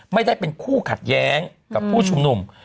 ไม่ได้เป็นคู่ขัดแย้งกับผู้ชุมนุม